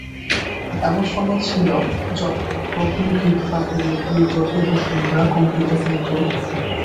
এমন সময় ছিল, যখন প্রবল গ্রীকবাহিনীর বীরদর্পে বসুন্ধরা কম্পিত হইত।